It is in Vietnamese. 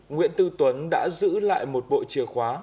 nguyễn tư tuấn đã giữ lại một bộ chìa khóa